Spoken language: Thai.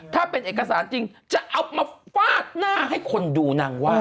ถ้าเป็นเอกสารจริงจะเอามาฟาดหน้าให้คนดูนางว่า